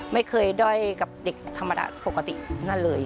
ไม่เคยด้อยกับเด็กธรรมดาปกตินั่นเลย